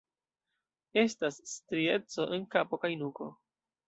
Estas strieco en kapo kaj nuko.